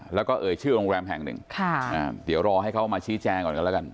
แล้วก็เอ่ยชื่อโรงแรมแห่งหนึ่งเดี๋ยวรอให้เขามาชี้แจงก่อนกันแล้วกัน